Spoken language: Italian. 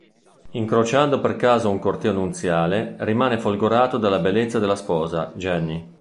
Incrociando per caso un corteo nuziale, rimane folgorato dalla bellezza della sposa, Jenny.